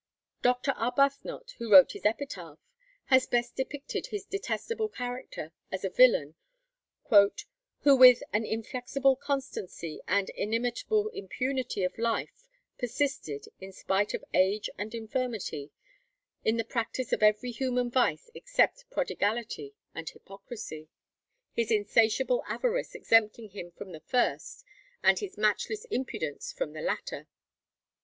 Doctor Arbuthnot, who wrote his epitaph, has best depicted his detestable character, as a villain, "who with an inflexible constancy and inimitable impunity of life persisted, in spite of age and infirmity, in the practice of every human vice except prodigality and hypocrisy, his insatiable avarice exempting him from the first, and his matchless impudence from the latter